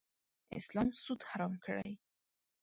اسلام سود حرام کړی.